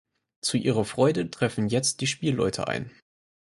Zu ihrer Freude treffen jetzt die Spielleute ein.